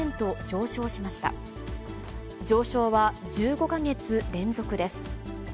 上昇は１５か月連続です。